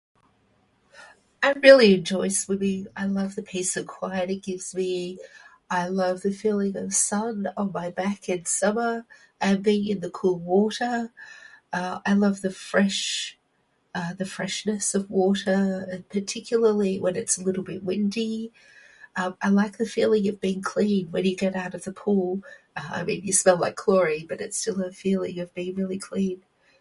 I really enjoy swimming. I love the peace and quiet it gives me. I love the feeling of sun on my back in summer, and being in the cool water. Uh, I love the fresh- uh the freshness of water, particularly when it's a little bit windy. Um I like the feeling of being clean when you get out of the pool. I mean, you smell like chlorine, but it's still a feeling of being really clean.